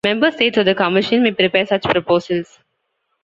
Member States or the Commission may prepare such proposals.